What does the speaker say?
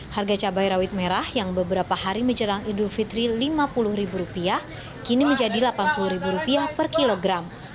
harga cabai rawit merah yang beberapa hari menjelang idul fitri rp lima puluh kini menjadi rp delapan puluh per kilogram